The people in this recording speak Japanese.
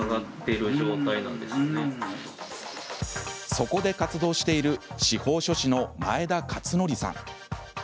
そこで活動している司法書士の前田勝範さん。